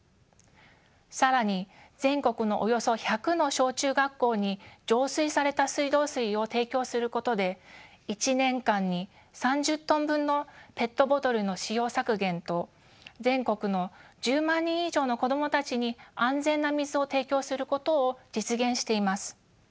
更に全国のおよそ１００の小中学校に浄水された水道水を提供することで１年間に３０トン分のペットボトルの使用削減と全国の１０万人以上の子供たちに安全な水を提供することを実現しています。